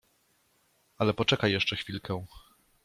Ale poczekaj jeszcze chwilkę.